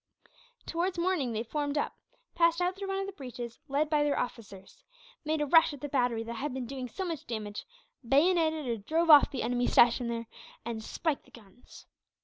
Towards morning they formed up; passed out through one of the breaches, led by their officers; made a rush at the battery that had been doing so much damage, bayoneted or drove off the enemy stationed there, and spiked the guns.